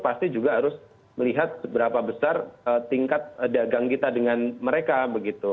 pasti juga harus melihat seberapa besar tingkat dagang kita dengan mereka begitu